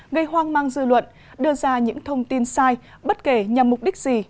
gây hoang mang dư luận đưa ra những thông tin sai bất kể nhằm mục đích gì